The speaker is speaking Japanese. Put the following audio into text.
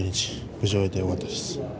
無事に終えてよかったです。